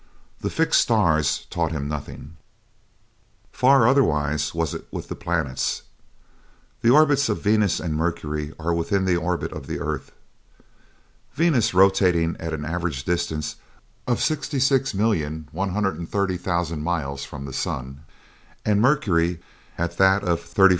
The fixed stars taught him nothing. Far otherwise was it with the planets. The orbits of Venus and Mercury are within the orbit of the earth, Venus rotating at an average distance of 66,130,000 miles from the sun, and Mercury at that of 35,393,000.